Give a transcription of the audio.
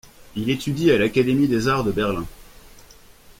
Il étudie à l'académie des arts de Berlin.